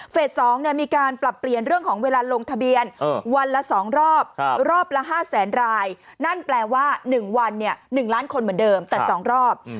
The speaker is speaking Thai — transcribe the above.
๒มีการปรับเปลี่ยนเรื่องของเวลาลงทะเบียนวันละ๒รอบรอบละ๕แสนรายนั่นแปลว่า๑วัน๑ล้านคนเหมือนเดิมแต่๒รอบ